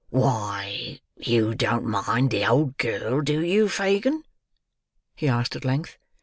"Why, you don't mind the old girl, do you, Fagin?" he asked at length.